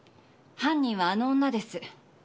犯人はあの女です。